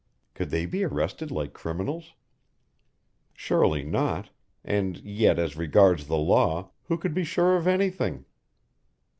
Could they be arrested like criminals? Surely not and yet as regards the law, who could be sure of anything?